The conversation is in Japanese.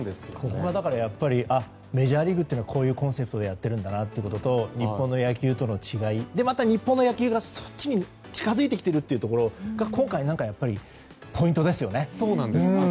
ここがメジャーリーグってこういうコンセプトでやっているんだなということと日本の野球との違いまた日本の野球がそっちに近づいてきているというのが今回、ポイントですよね。